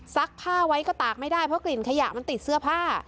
ผ้าไว้ก็ตากไม่ได้เพราะกลิ่นขยะมันติดเสื้อผ้า